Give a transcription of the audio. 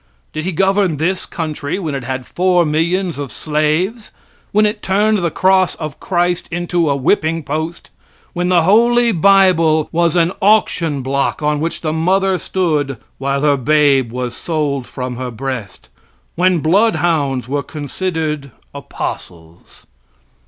Did He govern this country when it had four millions of slaves? when it turned the cross of Christ into a whipping post when the holy bible was an auction block on which the mother stood while her babe was sold from her breast? when bloodhounds were considered apostles?